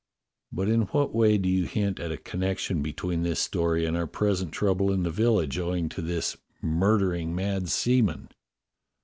"But in what way do you hint at a connection between this story and our present trouble in the village owing to this murdering mad seaman?"